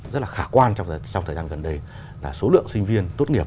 rất là khả quan trong thời gian gần đây là số lượng sinh viên tốt nghiệp